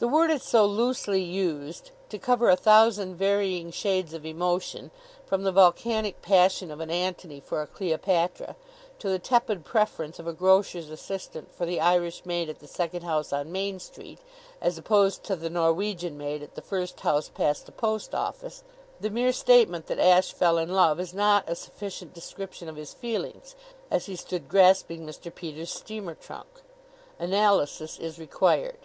The word is so loosely used, to cover a thousand varying shades of emotion from the volcanic passion of an Antony for a Cleopatra to the tepid preference of a grocer's assistant for the Irish maid at the second house on Main Street, as opposed to the Norwegian maid at the first house past the post office the mere statement that Ashe fell in love is not a sufficient description of his feelings as he stood grasping Mr. Peters' steamer trunk. Analysis is required.